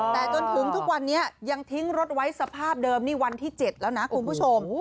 แต่จนถึงทุกวันนี้ยังทิ้งรถไว้สภาพเดิมนี่วันที่๗แล้วนะคุณผู้ชม